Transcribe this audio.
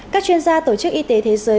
các chuyên gia tổ chức y tế thế giới